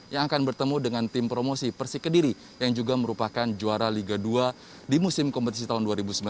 yang akan bertemu dengan tim promosi persik kediri yang juga merupakan juara liga dua di musim kompetisi tahun dua ribu sembilan belas